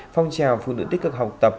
phong trào phụ nữ tích cực học tập